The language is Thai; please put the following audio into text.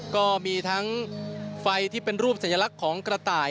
ก็มีทั้งไฟที่เป็นรูปสัญลักษณ์ของกระต่าย